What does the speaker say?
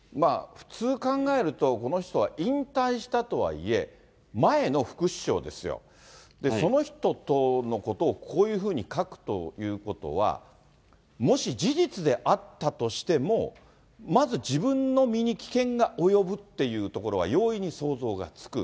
普通考えると、この人は引退したとはいえ、前の副首相ですよ、その人とのことをこういうふうに書くということは、もし事実であったとしても、まず自分の身に危険が及ぶっていうところは容易に想像がつく。